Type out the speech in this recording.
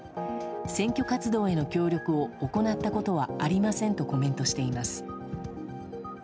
選挙活動への協力を行ったことはありませんとコメントしています。